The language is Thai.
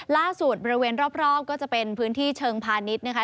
บริเวณรอบก็จะเป็นพื้นที่เชิงพาณิชย์นะคะ